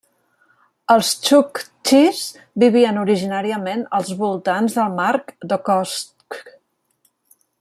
Els txuktxis vivien originàriament als voltants del mar d'Okhotsk.